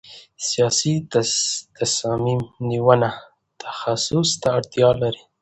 سیاسي تصمیم نیونه تخصص ته اړتیا لري